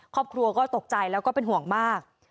ครอบครัวก็ตกใจแล้วก็เป็นห่วงมาก